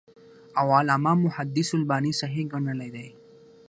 او علامه محدِّث الباني صحيح ګڼلی دی .